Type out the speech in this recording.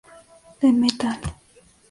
The Metal